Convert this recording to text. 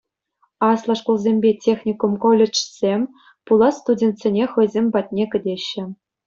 Аслӑ шкулсемпе техникум-колледжсем пулас студентсене хӑйсем патне кӗтеҫҫӗ.